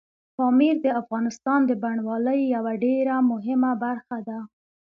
پامیر د افغانستان د بڼوالۍ یوه ډېره مهمه برخه ده.